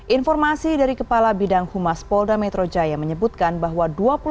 informasi dari kepala bidang humas polda metro jaya menyebutkan bahwa